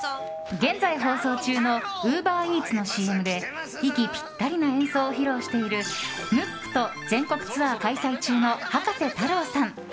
現在放送中のウーバーイーツのＣＭで息ぴったりな演奏を披露しているムックと全国ツアー開催中の葉加瀬太郎さん。